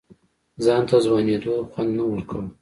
ځان ته ځوانېدو خوند نه ورکوه.